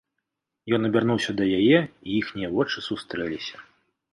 Ён абярнуўся да яе, і іхнія вочы сустрэліся.